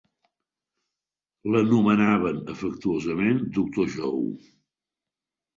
L'anomenaven afectuosament Doctor Joe.